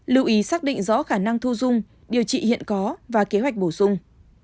lưu ý xác định rõ khả năng thu dung điều trị hiện có và kế hoạch bổ sung